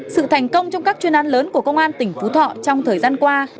sự thành công trong các chuyên án lớn của công an tỉnh phú thọ trong thời gian qua